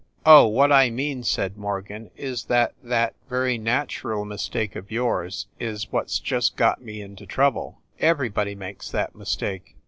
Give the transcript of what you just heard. "Oh, what I mean," said Morgan, "is that that very natural mistake of yours is what s just got me into trouble. Everybody makes that mistake.